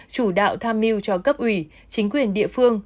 chủ đạo tham mưu cho cấp ủy chính quyền địa phương